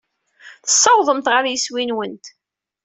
Tessawḍemt ɣer yeswi-nwent.